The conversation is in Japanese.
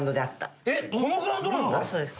そうです。